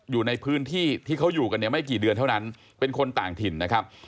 อยู่ในพื้นที่ที่เขาอยู่กันเนี่ยไม่กี่เดือนเท่านั้นเป็นคนต่างถิ่นนะครับ